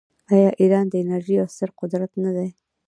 آیا ایران د انرژۍ یو ستر قدرت نه دی؟